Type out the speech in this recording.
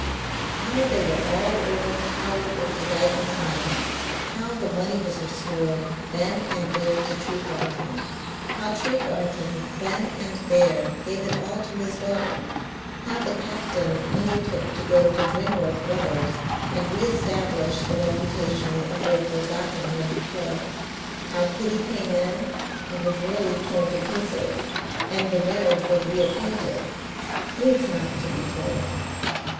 How they were all overpowered with delight and triumph; how the money was restored, then and there, to Tregarthen; how Tregarthen, then and there, gave it all to his daughter; how the captain undertook to go to Dringworth Brothers and re establish the reputation of their forgotten old clerk; how Kitty came in, and was nearly torn to pieces, and the marriage was reappointed, needs not to be told.